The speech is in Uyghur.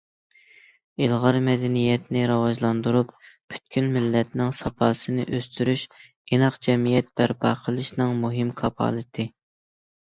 ئىلغار مەدەنىيەتنى راۋاجلاندۇرۇپ، پۈتكۈل مىللەتنىڭ ساپاسىنى ئۆستۈرۈشى ئىناق جەمئىيەت بەرپا قىلىشنىڭ مۇھىم كاپالىتى.